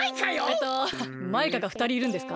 えっとマイカがふたりいるんですか？